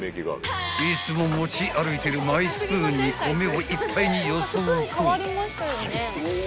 ［いつも持ち歩いてるマイスプーンに米をいっぱいによそうと］